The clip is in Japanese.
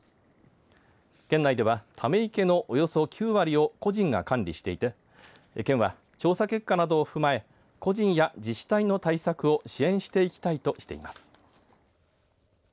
県内では、ため池のおよそ９割を個人が管理していて県は調査結果などを踏まえ個人や自治体の対策を支援していきたいとしています。